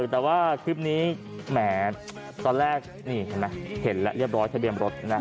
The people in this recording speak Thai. แต่ว่าคลิปนี้แหมตอนแรกนี่เห็นไหมเห็นแล้วเรียบร้อยทะเบียนรถนะ